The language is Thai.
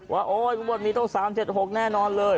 ว่าโอ้ยวันนี้ต้อง๓๗๖แน่นอนเลย